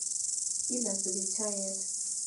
Kilosu Kiptaiyat.